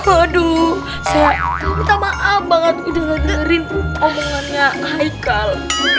aduh saya minta maaf banget udah ngadern tuh omongannya haikal